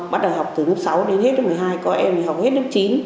bắt đầu học từ mức sáu đến hết mức một mươi hai có em học hết mức chín